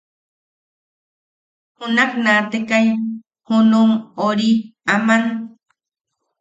Junak naatekai junum ori aman.